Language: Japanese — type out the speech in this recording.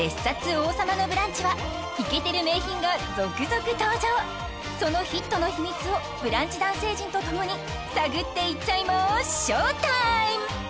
王様のブランチ」はイケてる名品が続々登場そのヒットの秘密を「ブランチ」男性陣と共に探っていっちゃいまＳＨＯＷＴＩＭＥ！